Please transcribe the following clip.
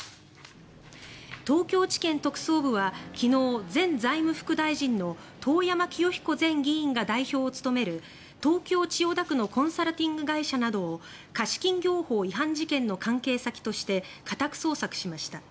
東京地検特捜部は前財務副大臣の遠山清彦前議員が代表を務める東京・千代田区のコンサルティング会社などを貸金業法違反事件の関係先として家宅捜索しました。